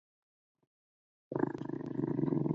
我轻易陷身其中